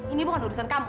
ini bukan urusan kamu